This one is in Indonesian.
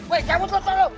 weh jauh lo tolong